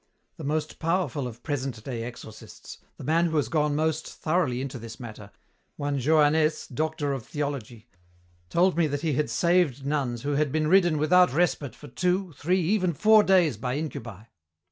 The most powerful of present day exorcists, the man who has gone most thoroughly into this matter, one Johannès, Doctor of Theology, told me that he had saved nuns who had been ridden without respite for two, three, even four days by incubi!"